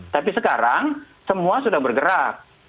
tapi sekarang semua sudah bergerak